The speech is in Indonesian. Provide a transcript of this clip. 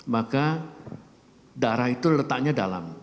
maka darah itu letaknya dalam